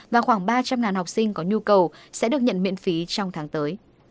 và khoảng ba trăm linh học sinh có nhu cầu sẽ được nhận miễn phí trong tháng tới